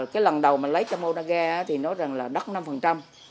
cái lần đầu mình lấy cho môn đa gia thì nói rằng là đất năm